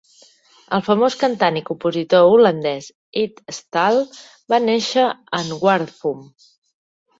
El famós cantant i compositor holandès Ede Staal va néixer en Warffum.